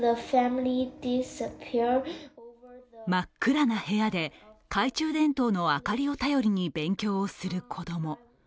真っ暗な部屋で懐中電灯の明かりを頼りに勉強をする子供。